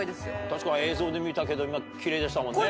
確かに映像で見たけどキレイでしたもんね。